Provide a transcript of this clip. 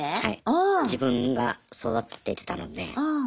自分が育ててきたので。